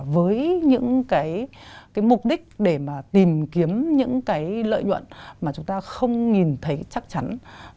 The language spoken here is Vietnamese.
với những mục đích để tìm kiếm những lợi nhuận mà chúng ta không nhìn thấy chắc chắn